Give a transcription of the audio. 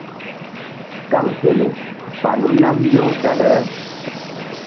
Kaŋpele falu nam mbew dale.